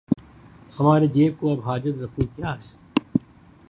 ہمارے جیب کو اب حاجت رفو کیا ہے